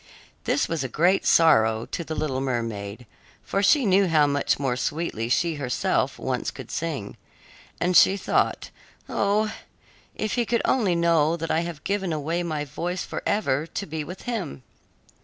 This was a great sorrow to the little mermaid, for she knew how much more sweetly she herself once could sing, and she thought, "Oh, if he could only know that I have given away my voice forever, to be with him!"